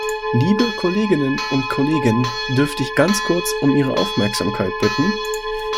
Liebe Kolleginnen und Kollegen, dürfte ich ganz kurz um Ihre Aufmerksamkeit bitten.